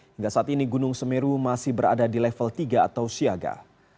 hingga saat ini gunung semeru masih berada di level tiga atau siaga